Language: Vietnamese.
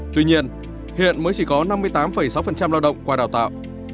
tuy nhiên hiện mới chỉ có năm mươi tám sáu lao động qua đào tạo